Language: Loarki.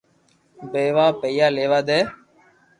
پيوا ليوا دي